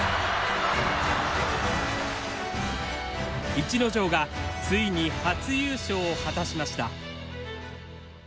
逸ノ城がついに初優勝を果たしました。